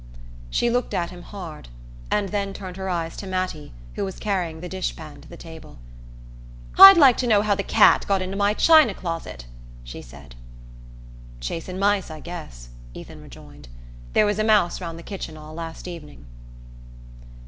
She looked at him hard, and then turned her eyes to Mattie, who was carrying the dish pan to the table. "I'd like to know how the cat got into my china closet"' she said. "Chasin' mice, I guess," Ethan rejoined. "There was a mouse round the kitchen all last evening."